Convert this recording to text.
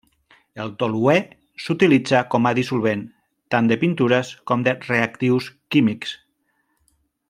El toluè s'utilitza com a dissolvent, tant de pintures com de reactius químics.